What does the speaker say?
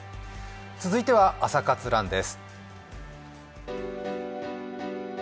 続いては「朝活ＲＵＮ」です。